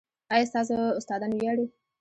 ایا ستاسو استادان ویاړي؟